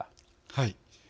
はい。